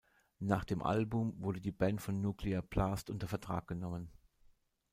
Nach dem Album wurde die Band von Nuclear Blast unter Vertrag genommen.